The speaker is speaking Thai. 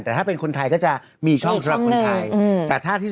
แต่ถ้าเป็นคนไทยก็จะมีช่องสำหรับคนไทย